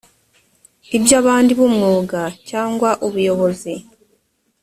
iby abandi b umwuga cyangwa ubuyobozi